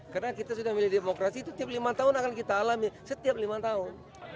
karena kita sudah milih demokrasi itu tiap lima tahun akan kita alami setiap lima tahun